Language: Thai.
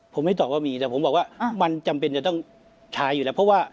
ผมไม่ตอบว่ามีแต่ผมบอกว่ามันจำเป็นจะต้องใช้อยู่แล้วเพราะว่า